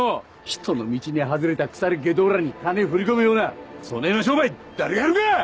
人の道に外れた腐れ外道らに金振り込むようなそねぇな商売誰がやるか！